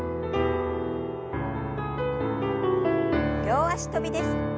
両脚跳びです。